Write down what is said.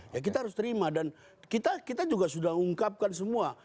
ya kita harus terima dan kita juga sudah ungkapkan semua